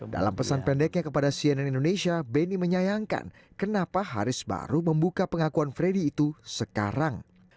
dalam pesan pendeknya kepada cnn indonesia benny menyayangkan kenapa haris baru membuka pengakuan freddy itu sekarang